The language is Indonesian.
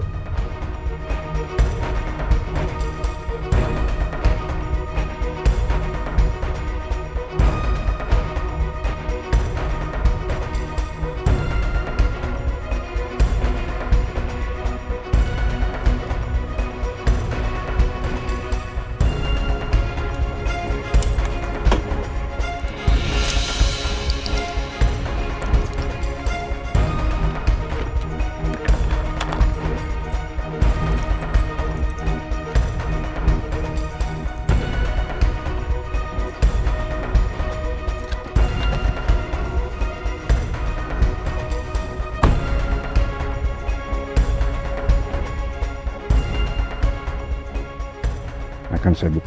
gak ada apa apa